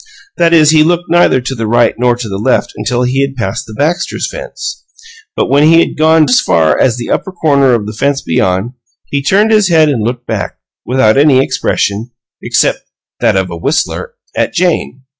That is, he looked neither to the right nor to the left until he had passed the Baxters' fence. But when he had gone as far as the upper corner of the fence beyond, he turned his head and looked back, without any expression except that of a whistler at Jane.